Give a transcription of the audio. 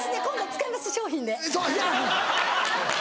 今度使います商品で。